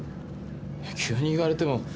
いや急に言われても。